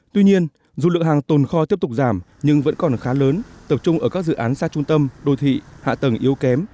tuy nhiên dù lượng hàng tồn kho tiếp tục giảm nhưng vẫn còn khá lớn tập trung ở các dự án xa trung tâm đô thị hạ tầng yếu kém